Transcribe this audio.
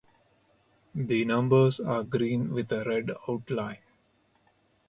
The numbers are green with a red outline.